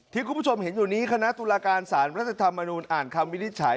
ที่คุณผู้ชมเห็นอยู่นี้คณะตุลาการศาลรัฐธรรมนูลอ่านคำวิธีใช้